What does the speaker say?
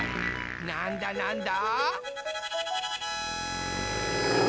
なんだなんだ？